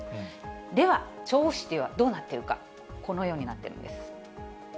では調布市ではどうなっているか、このようになってるんです。